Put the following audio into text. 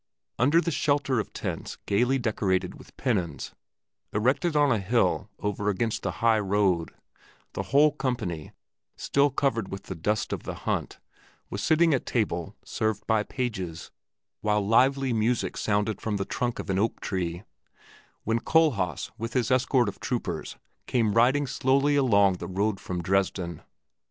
Under the shelter of tents gaily decorated with pennons, erected on a hill over against the highroad, the whole company, still covered with the dust of the hunt, was sitting at table, served by pages, while lively music sounded from the trunk of an oak tree, when Kohlhaas with his escort of troopers came riding slowly along the road from Dresden.